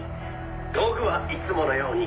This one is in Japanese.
「道具はいつものようにこれだけ！」